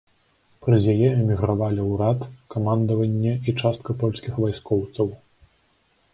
Праз яе эмігравалі ўрад, камандаванне і частка польскіх вайскоўцаў.